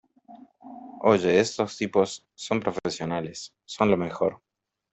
Oye, estos tipos son profesionales. Son lo mejor .